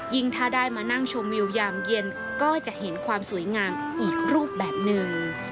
ถ้าได้มานั่งชมวิวยามเย็นก็จะเห็นความสวยงามอีกรูปแบบหนึ่ง